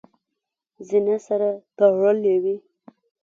زینه سره تړلې وي .